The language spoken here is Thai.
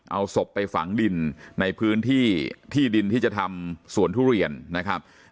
เอาศพไปฝังดินในพื้นที่ที่ดินที่จะทำสวนทุเรียนนะครับ